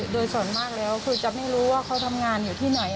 โดยส่วนมากแล้วคือจะไม่รู้ว่าเขาทำงานอยู่ที่ไหน